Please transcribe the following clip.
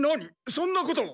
そんなことを？